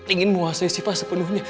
ingin menguasai shiva sepenuhnya